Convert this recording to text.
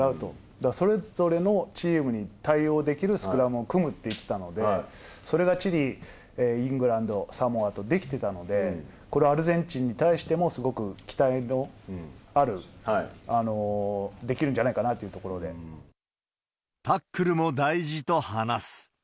だから、それそれぞれのチームに対応できるスクラムを組むって言ってたので、それがチリ、イングランド、サモアとできてたので、これ、アルゼンチンに対してもすごく期待できるんじゃないかなというとタックルも大事と話す。